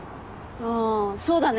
あそうだね。